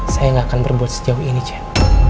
saya gak akan berbuat sejauh ini jen